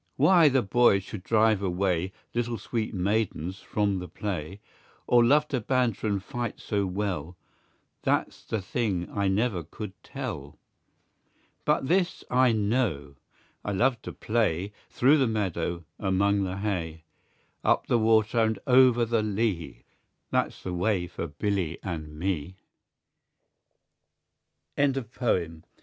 Why the boys should drive away, Little sweet maidens from the play, Or love to banter and fight so well, That's the thing I never could tell. But this I know, I love to play, Through the meadow, among the hay; Up the water and o'er the lea, That's the way for Billy and me. JAMES HOGG.